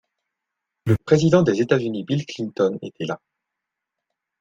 Le Président des États-Unis Bill Clinton était là.